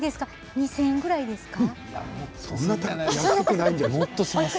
１０００円ぐらいですか？